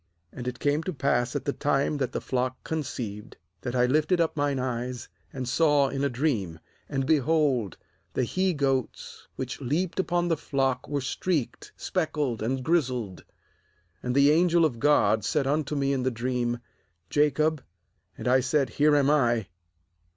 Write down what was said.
10And it came to pass at the time that the flock conceived, that I lifted up mine eyes, and saw in a dream, and, behold, the he goats which leaped upon the flock were streaked, speckled, and grizzled. nAnd the angel of God said unto me in the dream: Jacob; and I said: Here am I.